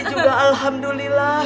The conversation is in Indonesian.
ini juga alhamdulillah